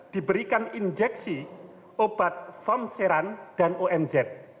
diberikan injeksi obat femseran dan omz